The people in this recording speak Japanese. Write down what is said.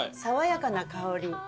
爽やかな香り。